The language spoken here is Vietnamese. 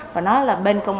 và nói là bên công ty